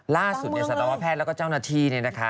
ล่าสุดสัตว์ว่าแพทย์และเจ้าหน้าที่